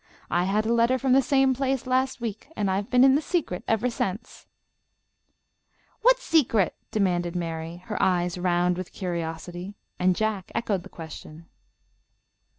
I had a letter from the same place last week, and I've been in the secret ever since." "What secret?" demanded Mary, her eyes round with curiosity, and Jack echoed the question.